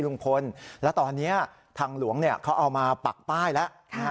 ลุงพลแล้วตอนนี้ทางหลวงเขาเอามาปักป้ายแล้ว